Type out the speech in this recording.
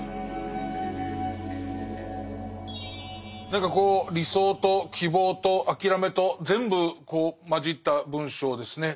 何かこう理想と希望と諦めと全部こう混じった文章ですね。